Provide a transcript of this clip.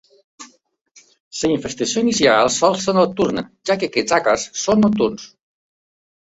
La infestació inicial sol ser nocturna, ja que aquests àcars són nocturns.